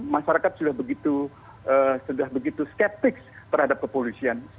masyarakat sudah begitu skeptik terhadap kepolisian